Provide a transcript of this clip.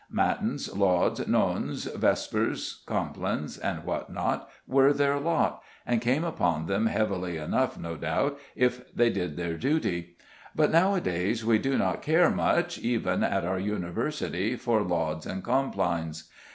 Matins, lauds, nones, vespers, complines, and what not, were their lot, and came upon them heavily enough, no doubt, if they did their duty; but now a days we do not care much, even at our universities, for lauds and complines.